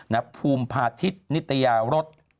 ภูมิพาทิศนิตยารส